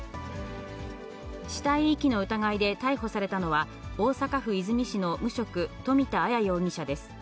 死体遺棄の疑いで逮捕されたのは、大阪府和泉市の無職、富田あや容疑者です。